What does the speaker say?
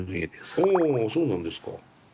ああそうなんですか。